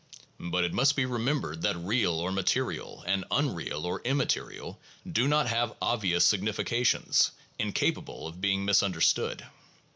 But it must be remembered that 'real' or 'ma terial' and 'unreal' or 'immaterial' do not have obvious sig nifications, incapable of being misunderstood.